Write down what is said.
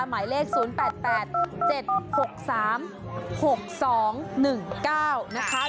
หมายเลข๐๘๘๗๖๓๖๒๑๙นะคะ